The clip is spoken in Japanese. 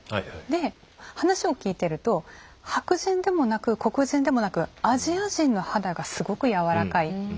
で話を聞いてると白人でもなく黒人でもなくアジア人の肌がすごくやわらかいって言うんですね。